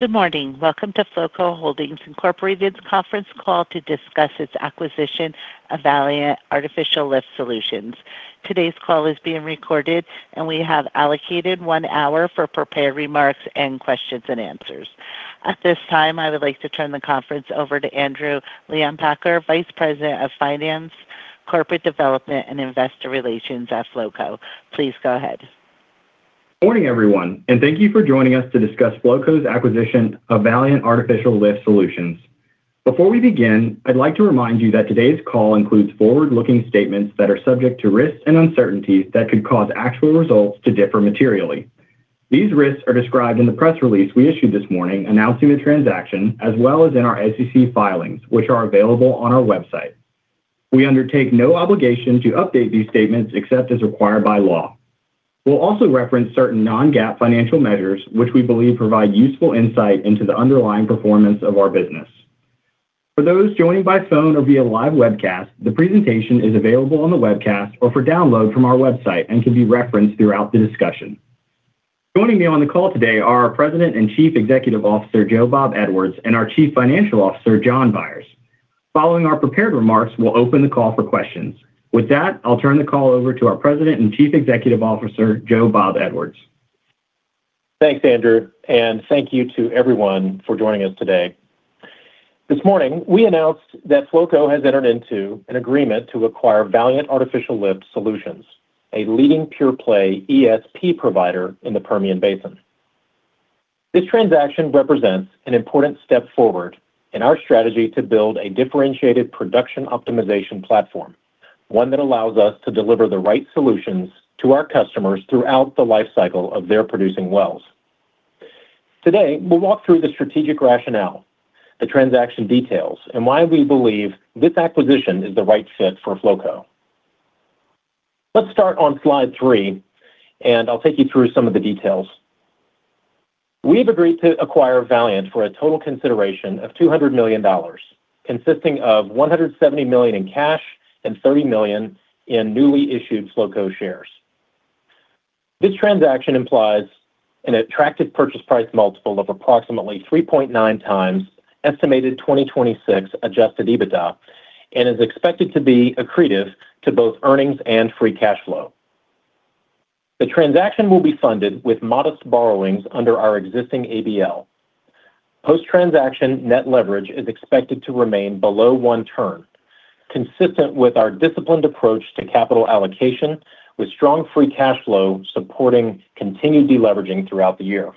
Good morning. Welcome to Flowco Holdings Inc.'s conference call to discuss its acquisition of Valiant Artificial Lift Solutions. Today's call is being recorded, and we have allocated one hour for prepared remarks and questions and answers. At this time, I would like to turn the conference over to Andrew Leonpacher, Vice President of Finance, Corporate Development, and Investor Relations at Flowco. Please go ahead. Morning, everyone, and thank you for joining us to discuss Flowco's acquisition of Valiant Artificial Lift Solutions. Before we begin, I'd like to remind you that today's call includes forward-looking statements that are subject to risks and uncertainties that could cause actual results to differ materially. These risks are described in the press release we issued this morning announcing the transaction, as well as in our SEC filings, which are available on our website. We undertake no obligation to update these statements except as required by law. We'll also reference certain non-GAAP financial measures, which we believe provide useful insight into the underlying performance of our business. For those joining by phone or via live webcast, the presentation is available on the webcast or for download from our website and can be referenced throughout the discussion. Joining me on the call today are our President and Chief Executive Officer Joe Bob Edwards and our Chief Financial Officer Jon Byers. Following our prepared remarks, we'll open the call for questions. With that, I'll turn the call over to our President and Chief Executive Officer Joe Bob Edwards. Thanks, Andrew, and thank you to everyone for joining us today. This morning, we announced that Flowco has entered into an agreement to acquire Valiant Artificial Lift Solutions, a leading pure-play ESP provider in the Permian Basin. This transaction represents an important step forward in our strategy to build a differentiated production optimization platform, one that allows us to deliver the right solutions to our customers throughout the lifecycle of their producing wells. Today, we'll walk through the strategic rationale, the transaction details, and why we believe this acquisition is the right fit for Flowco. Let's start on slide three, and I'll take you through some of the details. We have agreed to acquire Valiant for a total consideration of $200 million, consisting of $170 million in cash and $30 million in newly issued Flowco shares. This transaction implies an attractive purchase price multiple of approximately 3.9x estimated 2026 Adjusted EBITDA and is expected to be accretive to both earnings and Free Cash Flow. The transaction will be funded with modest borrowings under our existing ABL. Post-transaction net leverage is expected to remain below one turn, consistent with our disciplined approach to capital allocation, with strong Free Cash Flow supporting continued deleveraging throughout the year.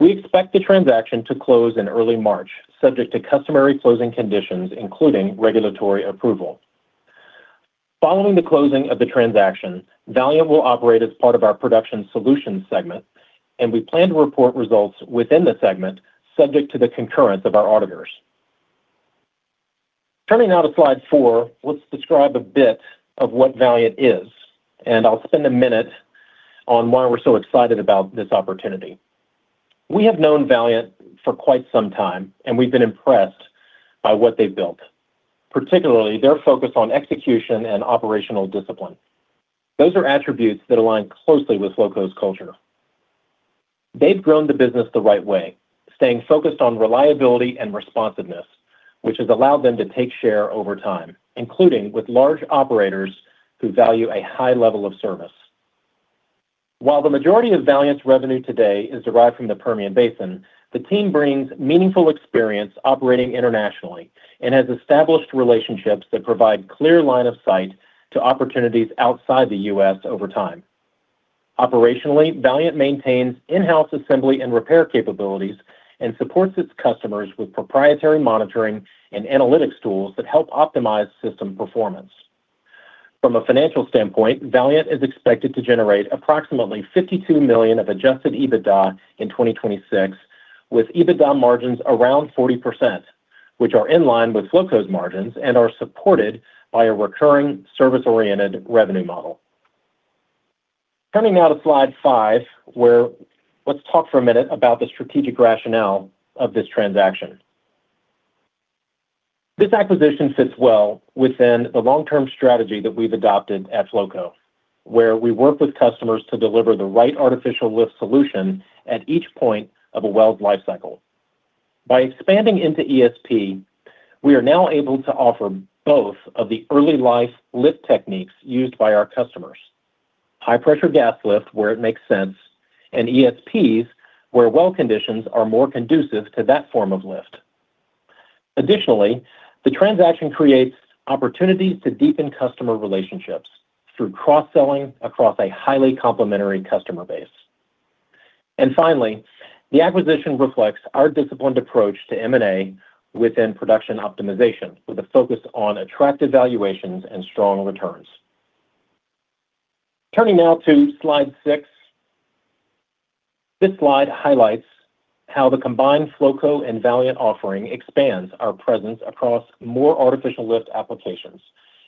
We expect the transaction to close in early March, subject to customary closing conditions, including regulatory approval. Following the closing of the transaction, Valiant will operate as part of our production solutions segment, and we plan to report results within the segment subject to the concurrence of our auditors. Turning now to slide 4, let's describe a bit of what Valiant is, and I'll spend a minute on why we're so excited about this opportunity. We have known Valiant for quite some time, and we've been impressed by what they've built, particularly their focus on execution and operational discipline. Those are attributes that align closely with Flowco's culture. They've grown the business the right way, staying focused on reliability and responsiveness, which has allowed them to take share over time, including with large operators who value a high level of service. While the majority of Valiant's revenue today is derived from the Permian Basin, the team brings meaningful experience operating internationally and has established relationships that provide clear line of sight to opportunities outside the U.S. over time. Operationally, Valiant maintains in-house assembly and repair capabilities and supports its customers with proprietary monitoring and analytics tools that help optimize system performance. From a financial standpoint, Valiant is expected to generate approximately $52 million of Adjusted EBITDA in 2026, with EBITDA margins around 40%, which are in line with Flowco's margins and are supported by a recurring service-oriented revenue model. Turning now to slide 5, let's talk for a minute about the strategic rationale of this transaction. This acquisition fits well within the long-term strategy that we've adopted at Flowco, where we work with customers to deliver the right artificial lift solution at each point of a well's lifecycle. By expanding into ESP, we are now able to offer both of the early-life lift techniques used by our customers: High-Pressure Gas Lift, where it makes sense, and ESPs, where well conditions are more conducive to that form of lift. Additionally, the transaction creates opportunities to deepen customer relationships through cross-selling across a highly complementary customer base. Finally, the acquisition reflects our disciplined approach to M&A within production optimization, with a focus on attractive valuations and strong returns. Turning now to slide 6. This slide highlights how the combined Flowco and Valiant offering expands our presence across more artificial lift applications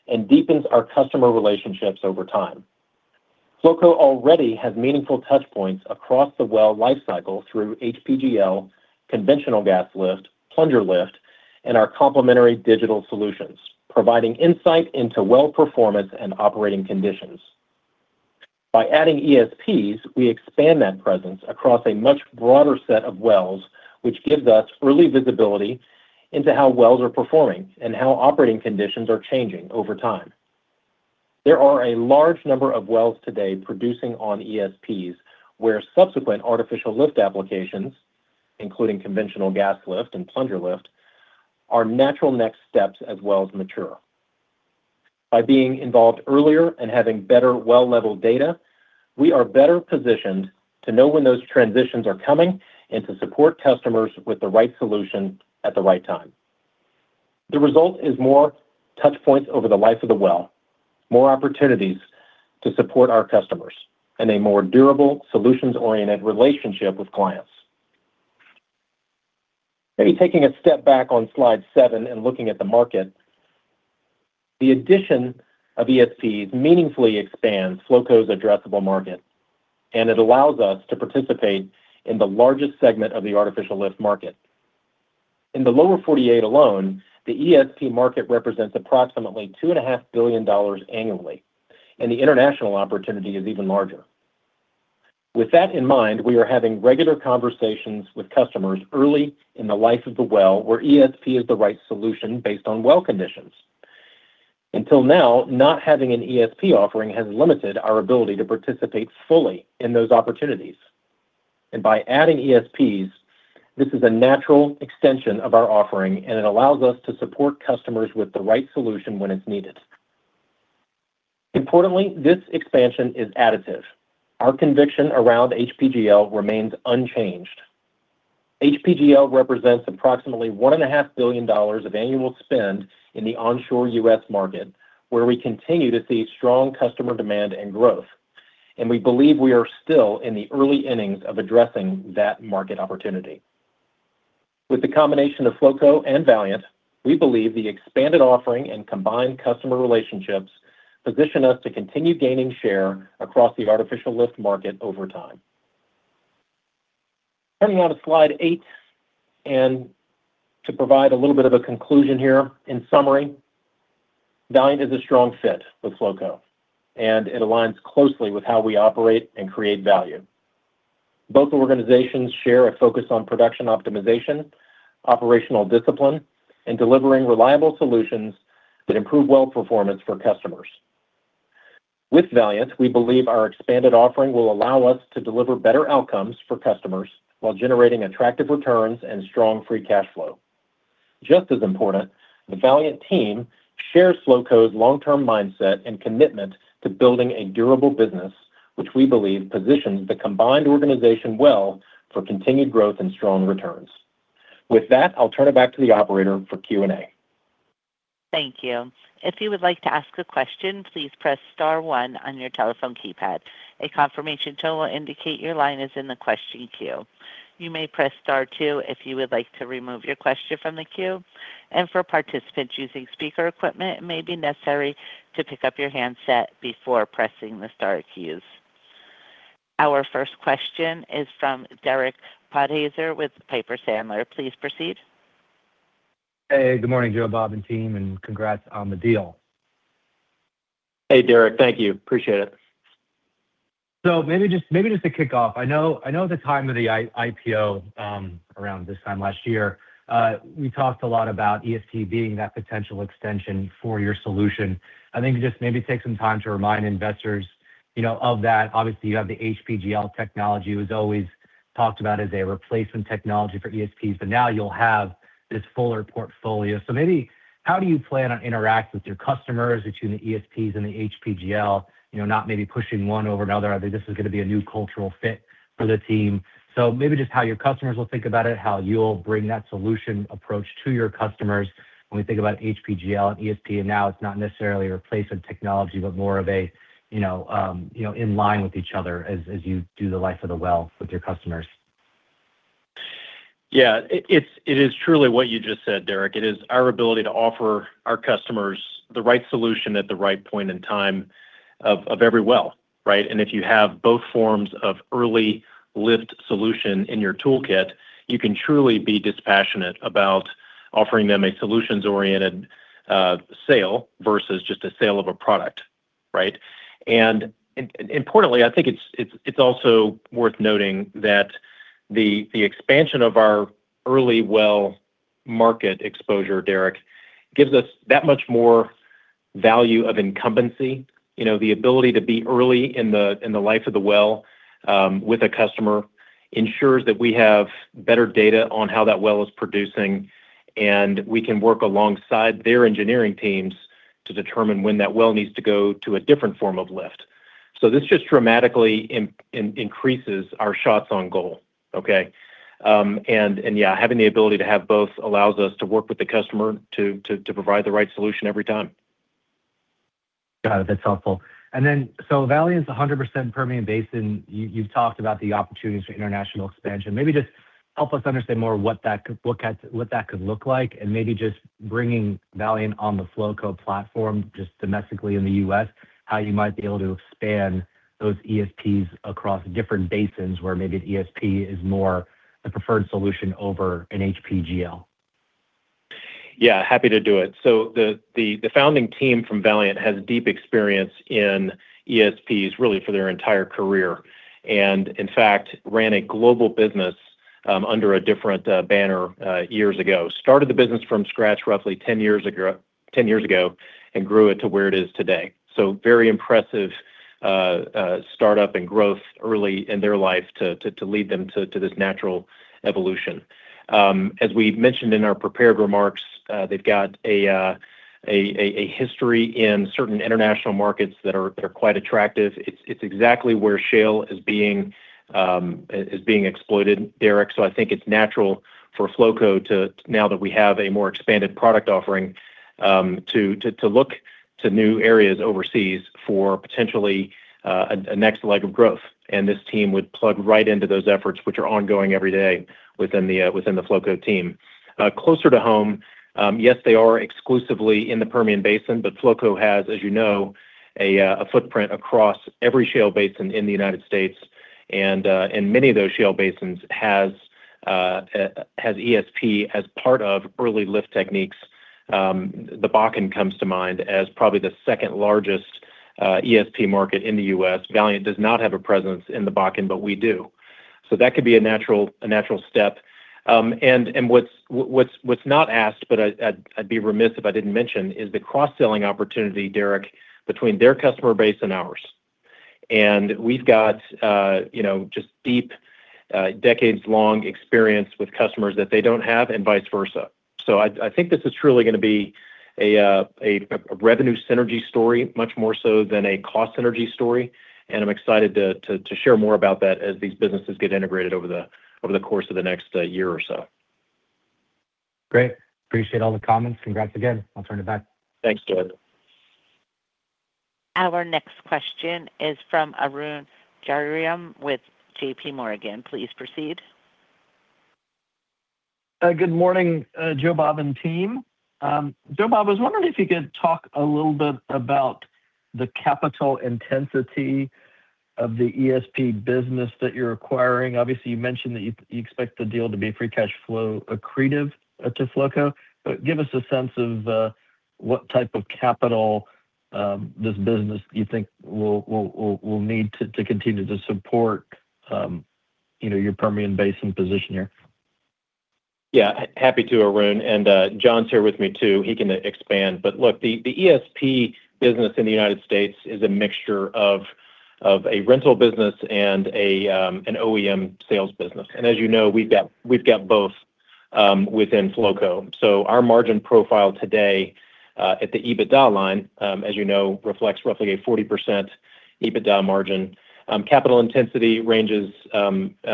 and deepens our customer relationships over time. Flowco already has meaningful touchpoints across the well lifecycle through HPGL conventional gas lift, plunger lift, and our complementary digital solutions, providing insight into well performance and operating conditions. By adding ESPs, we expand that presence across a much broader set of wells, which gives us early visibility into how wells are performing and how operating conditions are changing over time. There are a large number of wells today producing on ESPs, where subsequent artificial lift applications, including conventional gas lift and plunger lift, are natural next steps as well as mature. By being involved earlier and having better well-level data, we are better positioned to know when those transitions are coming and to support customers with the right solution at the right time. The result is more touchpoints over the life of the well, more opportunities to support our customers, and a more durable solutions-oriented relationship with clients. Maybe taking a step back on slide 7 and looking at the market, the addition of ESPs meaningfully expands Flowco's addressable market, and it allows us to participate in the largest segment of the artificial lift market. In the lower 48 alone, the ESP market represents approximately $2.5 billion annually, and the international opportunity is even larger. With that in mind, we are having regular conversations with customers early in the life of the well, where ESP is the right solution based on well conditions. Until now, not having an ESP offering has limited our ability to participate fully in those opportunities. By adding ESPs, this is a natural extension of our offering, and it allows us to support customers with the right solution when it's needed. Importantly, this expansion is additive. Our conviction around HPGL remains unchanged. HPGL represents approximately $1.5 billion of annual spend in the onshore U.S. market, where we continue to see strong customer demand and growth, and we believe we are still in the early innings of addressing that market opportunity. With the combination of Flowco and Valiant, we believe the expanded offering and combined customer relationships position us to continue gaining share across the artificial lift market over time. Turning now to slide eight and to provide a little bit of a conclusion here. In summary, Valiant is a strong fit with Flowco, and it aligns closely with how we operate and create value. Both organizations share a focus on production optimization, operational discipline, and delivering reliable solutions that improve well performance for customers. With Valiant, we believe our expanded offering will allow us to deliver better outcomes for customers while generating attractive returns and strong free cash flow. Just as important, the Valiant team shares Flowco's long-term mindset and commitment to building a durable business, which we believe positions the combined organization well for continued growth and strong returns. With that, I'll turn it back to the operator for Q&A. Thank you. If you would like to ask a question, please press star one on your telephone keypad. A confirmation tone will indicate your line is in the question queue. You may press star two if you would like to remove your question from the queue. For participants using speaker equipment, it may be necessary to pick up your handset before pressing the star keys. Our first question is from Derek Podhaizer with Piper Sandler. Please proceed. Hey, good morning, Joe Bob and team, and congrats on the deal. Hey, Derek. Thank you. Appreciate it. So maybe just to kick off, I know at the time of the IPO around this time last year, we talked a lot about ESP being that potential extension for your solution. I think just maybe take some time to remind investors of that. Obviously, you have the HPGL technology that was always talked about as a replacement technology for ESPs, but now you'll have this fuller portfolio. So maybe how do you plan on interacting with your customers between the ESPs and the HPGL, not maybe pushing one over another? Are they this is going to be a new cultural fit for the team? So maybe just how your customers will think about it, how you'll bring that solution approach to your customers. When we think about HPGL and ESP, and now it's not necessarily a replacement technology but more of an inline with each other as you do the life of the well with your customers. Yeah, it is truly what you just said, Derek. It is our ability to offer our customers the right solution at the right point in time of every well, right? And if you have both forms of early lift solution in your toolkit, you can truly be dispassionate about offering them a solutions-oriented sale versus just a sale of a product, right? And importantly, I think it's also worth noting that the expansion of our early well market exposure, Derek, gives us that much more value of incumbency. The ability to be early in the life of the well with a customer ensures that we have better data on how that well is producing, and we can work alongside their engineering teams to determine when that well needs to go to a different form of lift. So this just dramatically increases our shots on goal, okay? Yeah, having the ability to have both allows us to work with the customer to provide the right solution every time. Got it. That's helpful. And then so Valiant's 100% Permian Basin. You've talked about the opportunities for international expansion. Maybe just help us understand more what that could look like, and maybe just bringing Valiant on the Flowco platform just domestically in the U.S., how you might be able to expand those ESPs across different basins where maybe the ESP is more the preferred solution over an HPGL. Yeah, happy to do it. So the founding team from Valiant has deep experience in ESPs, really, for their entire career. And in fact, ran a global business under a different banner years ago, started the business from scratch roughly 10 years ago, and grew it to where it is today. So very impressive startup and growth early in their life to lead them to this natural evolution. As we mentioned in our prepared remarks, they've got a history in certain international markets that are quite attractive. It's exactly where shale is being exploited, Derek. So I think it's natural for Flowco to, now that we have a more expanded product offering, to look to new areas overseas for potentially a next leg of growth. And this team would plug right into those efforts, which are ongoing every day within the Flowco team. Closer to home, yes, they are exclusively in the Permian Basin, but Flowco has, as you know, a footprint across every shale basin in the United States. Many of those shale basins have ESP as part of early lift techniques. The Bakken comes to mind as probably the second largest ESP market in the U.S. Valiant does not have a presence in the Bakken, but we do. That could be a natural step. What's not asked, but I'd be remiss if I didn't mention, is the cross-selling opportunity, Derek, between their customer base and ours. We've got just deep, decades-long experience with customers that they don't have and vice versa. I think this is truly going to be a revenue synergy story, much more so than a cost synergy story. I'm excited to share more about that as these businesses get integrated over the course of the next year or so. Great. Appreciate all the comments. Congrats again. I'll turn it back. Thanks, Derek. Our next question is from Arun Jayaram with J.P. Morgan. Please proceed. Good morning, Joe Bob and team. Joe Bob, I was wondering if you could talk a little bit about the capital intensity of the ESP business that you're acquiring. Obviously, you mentioned that you expect the deal to be free cash flow accretive to Flowco. But give us a sense of what type of capital this business you think will need to continue to support your Permian Basin position here. Yeah, happy to, Arun. And John's here with me too. He can expand. But look, the ESP business in the United States is a mixture of a rental business and an OEM sales business. And as you know, we've got both within Flowco. So our margin profile today at the EBITDA line, as you know, reflects roughly a 40% EBITDA margin. Capital intensity ranges between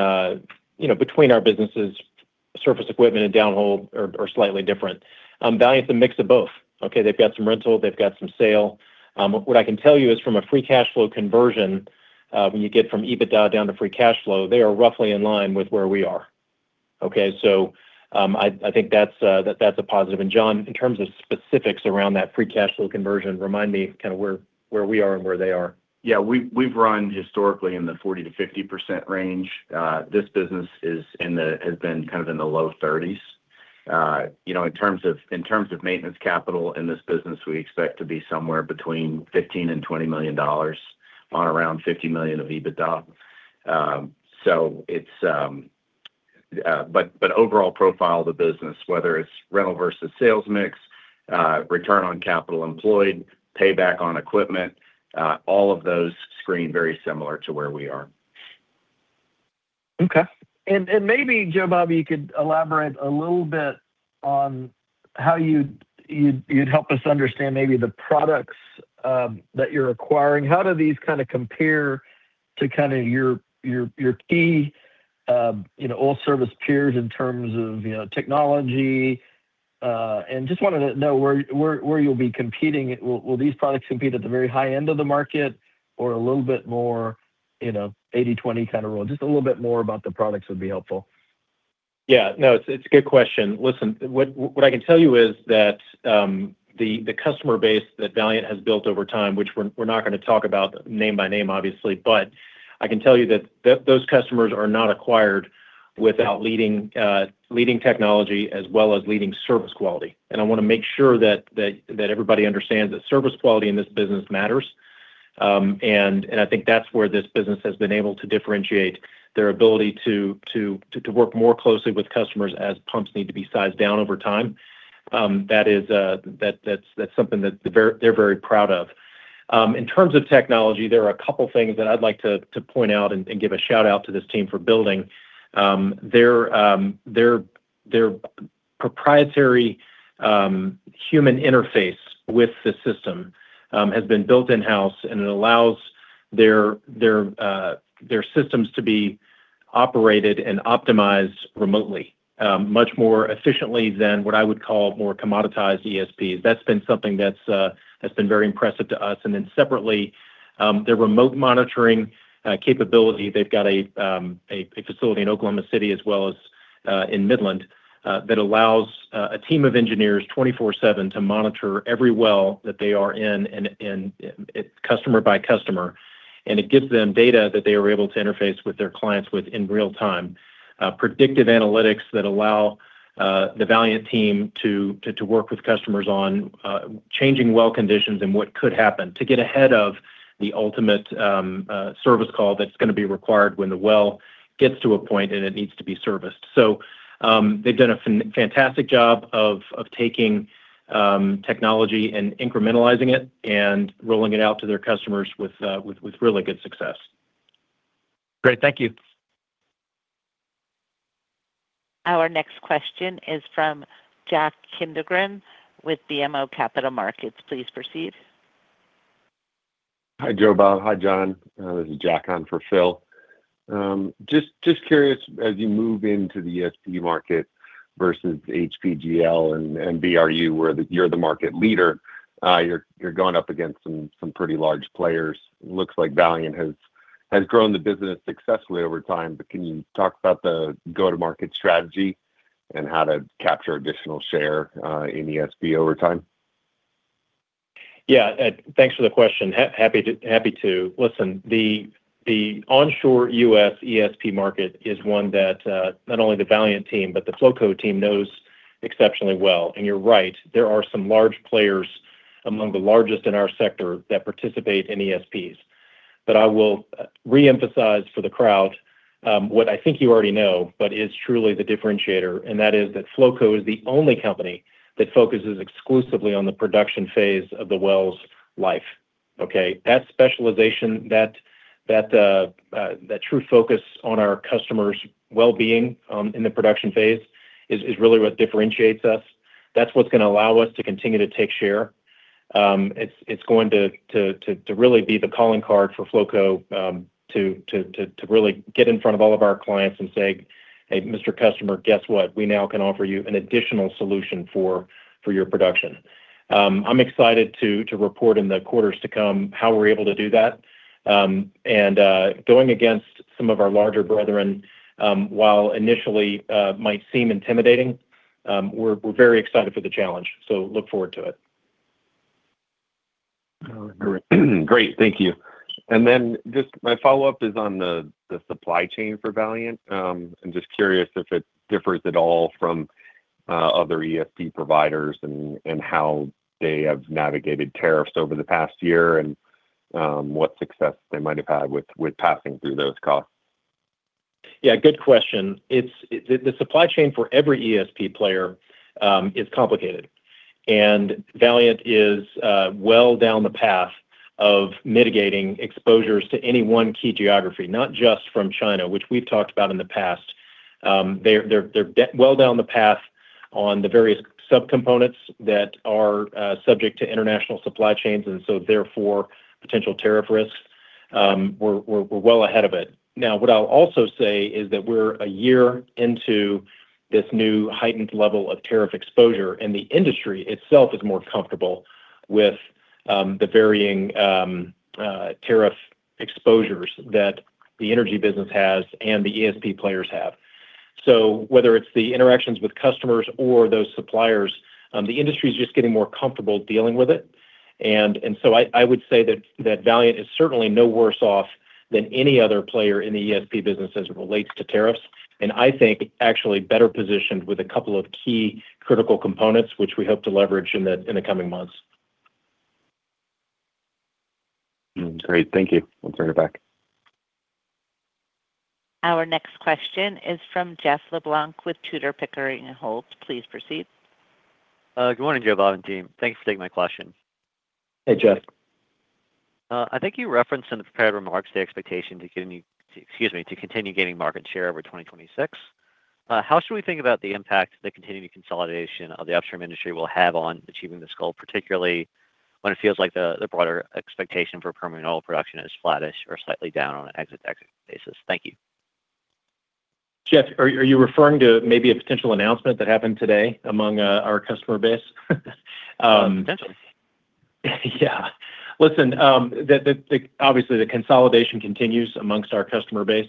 our businesses. Surface equipment and downhole are slightly different. Valiant's a mix of both, okay? They've got some rental. They've got some sale. What I can tell you is from a free cash flow conversion, when you get from EBITDA down to free cash flow, they are roughly in line with where we are, okay? So I think that's a positive. And John, in terms of specifics around that free cash flow conversion, remind me kind of where we are and where they are. Yeah, we've run historically in the 40%-50% range. This business has been kind of in the low 30s. In terms of maintenance capital in this business, we expect to be somewhere between $15-$20 million on around $50 million of EBITDA. But overall profile of the business, whether it's rental versus sales mix, return on capital employed, payback on equipment, all of those screen very similar to where we are. Okay. Maybe, Joe Bob, you could elaborate a little bit on how you'd help us understand maybe the products that you're acquiring. How do these kind of compare to kind of your key all-service peers in terms of technology? Just wanted to know where you'll be competing. Will these products compete at the very high end of the market or a little bit more 80/20 kind of rule? Just a little bit more about the products would be helpful. Yeah, no, it's a good question. Listen, what I can tell you is that the customer base that Valiant has built over time, which we're not going to talk about name by name, obviously, but I can tell you that those customers are not acquired without leading technology as well as leading service quality. I want to make sure that everybody understands that service quality in this business matters. I think that's where this business has been able to differentiate their ability to work more closely with customers as pumps need to be sized down over time. That's something that they're very proud of. In terms of technology, there are a couple of things that I'd like to point out and give a shout-out to this team for building. Their proprietary human interface with the system has been built in-house, and it allows their systems to be operated and optimized remotely, much more efficiently than what I would call more commoditized ESPs. That's been something that's been very impressive to us. Then separately, their remote monitoring capability. They've got a facility in Oklahoma City as well as in Midland that allows a team of engineers 24/7 to monitor every well that they are in customer by customer. And it gives them data that they are able to interface with their clients with in real time, predictive analytics that allow the Valiant team to work with customers on changing well conditions and what could happen, to get ahead of the ultimate service call that's going to be required when the well gets to a point and it needs to be serviced. So they've done a fantastic job of taking technology and incrementalizing it and rolling it out to their customers with really good success. Great. Thank you. Our next question is from Jack Kindregan with BMO Capital Markets. Please proceed. Hi, Joe Bob. Hi, Jon. This is Jack on for Phil. Just curious, as you move into the ESP market versus HPGL and BRU, where you're the market leader, you're going up against some pretty large players. Looks like Valiant has grown the business successfully over time, but can you talk about the go-to-market strategy and how to capture additional share in ESP over time? Yeah, thanks for the question. Happy to. Listen, the onshore U.S. ESP market is one that not only the Valiant team, but the Flowco team knows exceptionally well. And you're right. There are some large players among the largest in our sector that participate in ESPs. But I will reemphasize for the crowd what I think you already know, but is truly the differentiator. And that is that Flowco is the only company that focuses exclusively on the production phase of the well's life, okay? That specialization, that true focus on our customers' well-being in the production phase is really what differentiates us. That's what's going to allow us to continue to take share. It's going to really be the calling card for Flowco to really get in front of all of our clients and say, "Hey, Mr. Customer, guess what? We now can offer you an additional solution for your production. I'm excited to report in the quarters to come how we're able to do that." Going against some of our larger brethren, while initially might seem intimidating, we're very excited for the challenge. So look forward to it. Great. Thank you. And then just my follow-up is on the supply chain for Valiant. I'm just curious if it differs at all from other ESP providers and how they have navigated tariffs over the past year and what success they might have had with passing through those costs? Yeah, good question. The supply chain for every ESP player is complicated. And Valiant is well down the path of mitigating exposures to any one key geography, not just from China, which we've talked about in the past. They're well down the path on the various subcomponents that are subject to international supply chains and so, therefore, potential tariff risks. We're well ahead of it. Now, what I'll also say is that we're a year into this new heightened level of tariff exposure, and the industry itself is more comfortable with the varying tariff exposures that the energy business has and the ESP players have. So whether it's the interactions with customers or those suppliers, the industry is just getting more comfortable dealing with it. And so I would say that Valiant is certainly no worse off than any other player in the ESP business as it relates to tariffs. I think actually better positioned with a couple of key critical components, which we hope to leverage in the coming months. Great. Thank you. We'll turn it back. Our next question is from Jeff LeBlanc with Tudor, Pickering, Holt & Co. Please proceed. Good morning, Joe Bob and team. Thank you for taking my question. Hey, Jeff. I think you referenced in the prepared remarks the expectation to continue gaining market share over 2026. How should we think about the impact the continued consolidation of the upstream industry will have on achieving this goal, particularly when it feels like the broader expectation for Permian production is flattish or slightly down on an exit-to-exit basis? Thank you. Jeff, are you referring to maybe a potential announcement that happened today among our customer base? Potentially. Yeah. Listen, obviously, the consolidation continues amongst our customer base.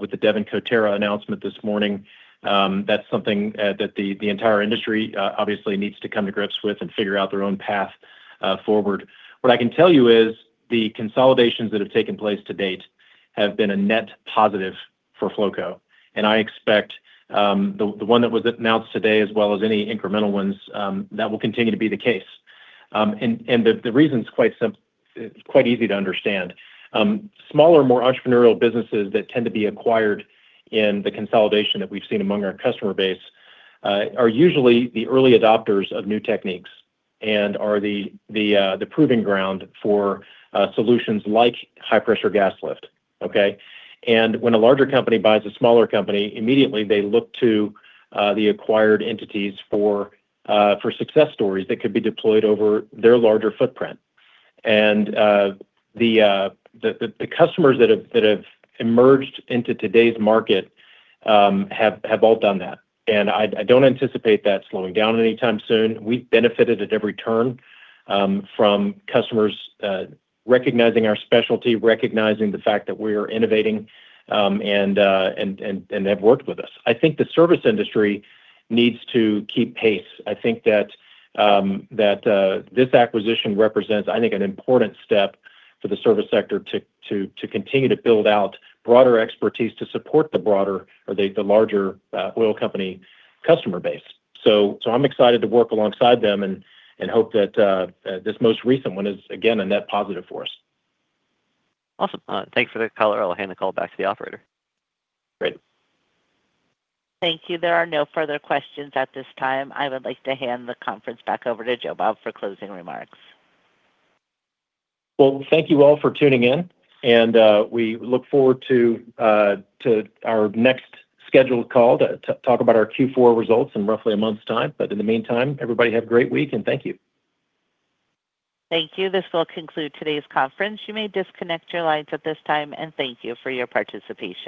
With the Devon and Coterra announcement this morning, that's something that the entire industry obviously needs to come to grips with and figure out their own path forward. What I can tell you is the consolidations that have taken place to date have been a net positive for Flowco. And I expect the one that was announced today, as well as any incremental ones, that will continue to be the case. And the reason is quite easy to understand. Smaller, more entrepreneurial businesses that tend to be acquired in the consolidation that we've seen among our customer base are usually the early adopters of new techniques and are the proving ground for solutions like high-pressure gas lift, okay? When a larger company buys a smaller company, immediately they look to the acquired entities for success stories that could be deployed over their larger footprint. The customers that have emerged into today's market have all done that. I don't anticipate that slowing down anytime soon. We've benefited at every turn from customers recognizing our specialty, recognizing the fact that we are innovating, and have worked with us. I think the service industry needs to keep pace. I think that this acquisition represents, I think, an important step for the service sector to continue to build out broader expertise to support the larger oil company customer base. I'm excited to work alongside them and hope that this most recent one is, again, a net positive for us. Awesome. Thanks for the call, y'all. I'll hand the call back to the operator. Great. Thank you. There are no further questions at this time. I would like to hand the conference back over to Joe Bob for closing remarks. Well, thank you all for tuning in. We look forward to our next scheduled call to talk about our Q4 results in roughly a month's time. In the meantime, everybody have a great week, and thank you. Thank you. This will conclude today's conference. You may disconnect your lines at this time. Thank you for your participation.